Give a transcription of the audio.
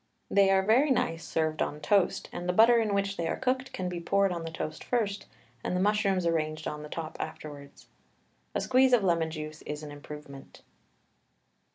They are very nice served on toast, and the butter in which they are cooked can be poured on the toast first, and the mushrooms arranged on the top afterwards. A squeeze of lemon juice is an improvement.